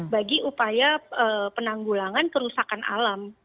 bagi upaya penanggulangan kerusakan alam